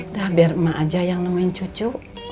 dah biar emak aja yang nemuin cucu